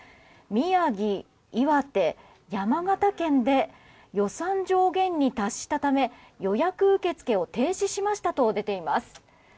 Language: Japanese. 宮城、岩手、山形県で予算上限に達したため予約受け付けを停止しましたと出ています。